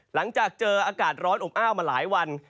หลังจากเจออากาศร้อนอบอ้าวมาหลายวัน